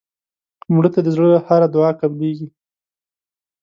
مړه ته د زړه هره دعا قبلیږي